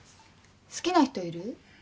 好きな人いる？